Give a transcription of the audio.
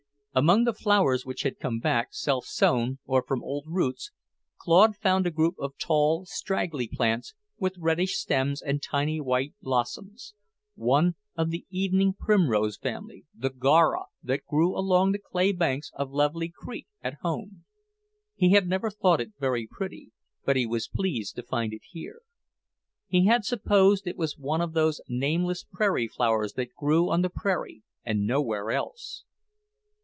Among the flowers, which had come back self sown or from old roots, Claude found a group of tall, straggly plants with reddish stems and tiny white blossoms, one of the evening primrose family, the Gaura, that grew along the clay banks of Lovely Creek, at home. He had never thought it very pretty, but he was pleased to find it here. He had supposed it was one of those nameless prairie flowers that grew on the prairie and nowhere else.